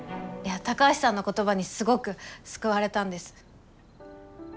いや高橋さんの言葉にすごく救われたんです。